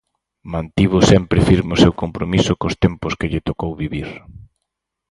Mantivo sempre firme o seu compromiso cos tempos que lle tocou vivir.